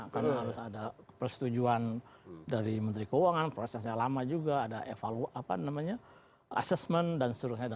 karena harus ada persetujuan dari menteri keuangan prosesnya lama juga ada assessment dan seterusnya